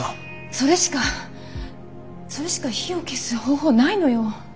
それしかそれしか火を消す方法はないのよ。